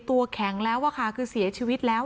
ตัวแข็งแล้วอะค่ะคือเสียชีวิตแล้ว